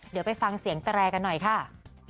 เดี๋ยวไปฟังเสียงแตรกันหน่อยค่ะ